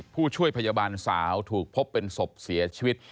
ผู้ช่วยพยาบาลสาวถูกพบเป็นศพเสียชีวิต